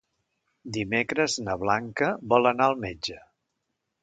Dimecres na Blanca vol anar al metge.